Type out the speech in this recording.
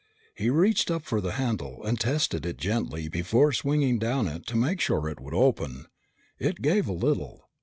He reached up for the handle and tested it gently before swinging down on it to make sure it would open. It gave a little.